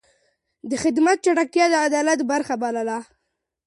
د خدمت چټکتيا يې د عدالت برخه بلله.